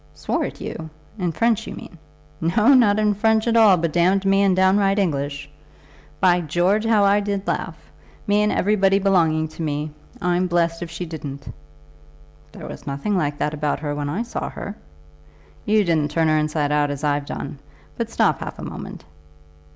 "Swore at you! In French you mean?" "No; not in French at all, but damned me in downright English. By George, how I did laugh! me and everybody belonging to me. I'm blessed if she didn't." "There was nothing like that about her when I saw her." "You didn't turn her inside out as I've done; but stop half a moment."